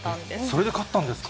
それで勝ったんですか。